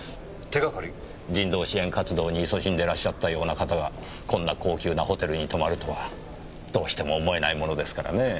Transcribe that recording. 人道支援活動に勤しんでらっしゃったような方がこんな高級なホテルに泊まるとはどうしても思えないものですからねぇ。